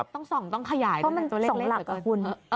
ต้องส่องต้องขยายตัวเล็กเพื่อตัวนี้